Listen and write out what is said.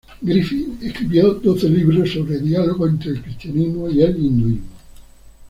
Griffiths escribió doce libros sobre diálogo entre el cristianismo y el hinduismo.